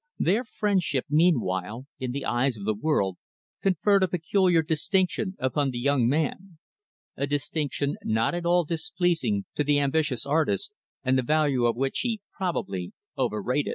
Their friendship, meanwhile in the eyes of the world conferred a peculiar distinction upon the young man a distinction not at all displeasing to the ambitious artist; and the value of which he, probably, overrated.